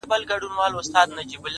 موږ نن څلور ساعته درس لرو.